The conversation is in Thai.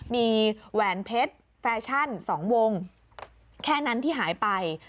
มีแหวนเพชรแฟชั่น๒วงแค่นั้นที่หายไป